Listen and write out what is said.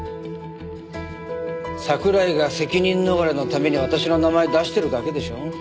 桜井が責任逃れのために私の名前出してるだけでしょう。